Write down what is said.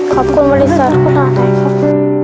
ขอบคุณบริษัทคุณตาไทยครับ